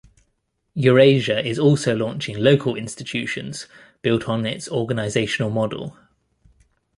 Eurasia is also launching local institutions built on its organizational model.